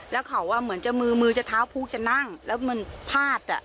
แล้วเขาเหมือนจะมือมือจะเท้าพุกจะนั่งแล้วมันพาดอ่ะ